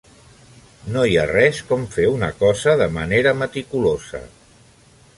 No hi ha res com fer una cosa de manera meticulosa.